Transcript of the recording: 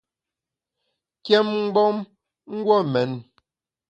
Kyém mgbom !guon mén.